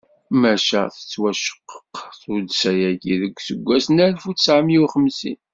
Maca tettwaceqqeq tuddsa-agi deg useggas n alef u ttɛemya u xemsin.